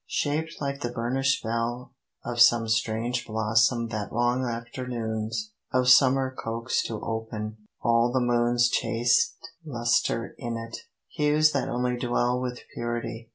shaped like the burnished bell Of some strange blossom that long afternoons Of summer coax to open: all the moon's Chaste lustre in it; hues that only dwell With purity....